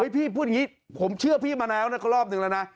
พี่พูดอย่างนี้ผมเชื่อพี่มาแล้วก็รอบนึงแล้วนะ